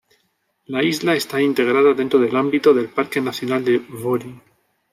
La isla está integrada dentro del ámbito del Parque nacional de Wolin.